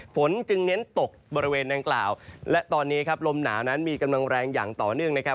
ฝนจึงเน้นตกบริเวณนางกล่าวและตอนนี้ครับลมหนาวนั้นมีกำลังแรงอย่างต่อเนื่องนะครับ